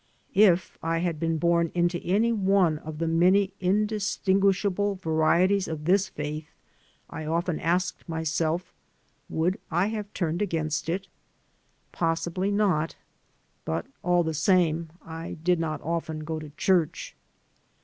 If I had been bom into any one of the many indistinguishable varieties of this faith, I often asked myself would I have turned against it? Possibly not; but all the same I did not often go to church.